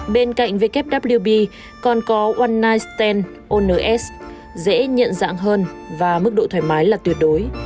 bên cạnh với fwb còn có one night stand ons dễ nhận dạng hơn và mức độ thoải mái là tuyệt đối